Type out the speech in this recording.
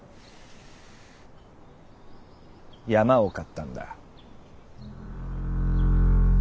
山を買ったんだ。